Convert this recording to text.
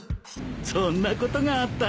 そんなことがあったのか。